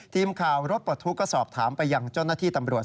ทีมข่าวรถปลดทุกข์ก็สอบถามไปยังเจ้าหน้าที่ตำรวจ